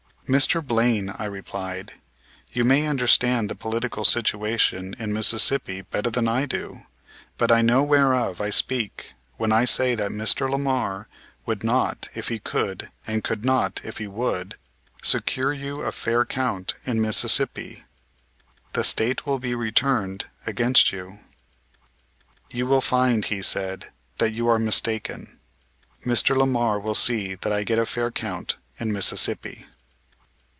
"Mr. Blame," I replied, "you may understand the political situation in Mississippi better than I do, but I know whereof I speak when I say that Mr. Lamar would not if he could and could not if he would, secure you a fair count in Mississippi. The State will be returned against you." "You will find," he said, "that you are mistaken. Mr. Lamar will see that I get a fair count in Mississippi."